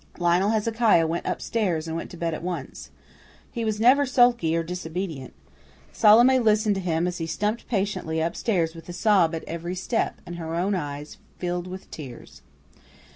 Lionel Hezekiah went up stairs, and went to bed at once. He was never sulky or disobedient. Salome listened to him as he stumped patiently up stairs with a sob at every step, and her own eyes filled with tears.